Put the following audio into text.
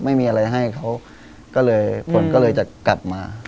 ไม่มีอะไรให้เขาก็เลยผลก็เลยจะกลับมา